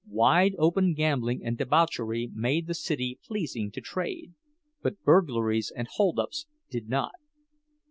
"Wide open" gambling and debauchery made the city pleasing to "trade," but burglaries and holdups did not.